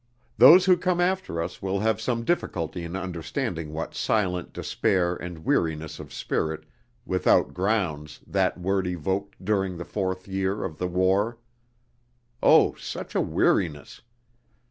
Those who come after us will have some difficulty in understanding what silent despair and weariness of spirit without grounds that word evoked during the fourth year of the war.... Oh, such a weariness!